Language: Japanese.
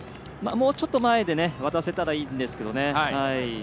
もうちょっと前で渡せたらいいんですけどね。